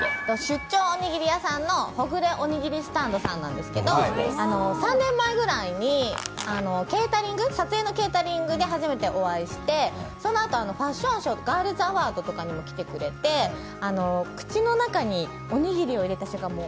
出張ほぐれおにぎり屋さんのほぐれおにぎりスタンドさんなんですけど３年前ぐらいに撮影のケータリングで初めてお会いしてそのあとファッションショー、ガールズアワードとかにも来てくれて口の中におにぎりを入れた瞬間